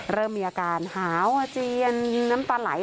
เริ่มมีอาการหาวอาเจียนน้ำตาไหล